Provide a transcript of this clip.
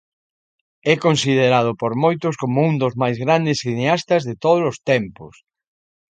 É considerado por moitos como un dos máis grandes cineastas de tódolos tempos.